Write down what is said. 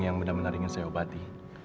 yang benar benar ingin saya obati